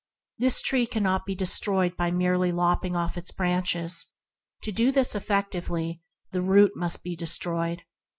This tree cannot be destroyed by merely lopping off its branches; to do this effectually the root must be destroyed.